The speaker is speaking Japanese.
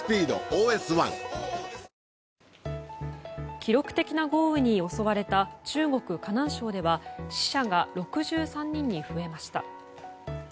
記録的な豪雨に襲われた中国・河南省では死者が６３人に増えました。